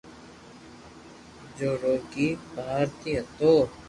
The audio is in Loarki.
جو روگي ڀآيارتي ھتو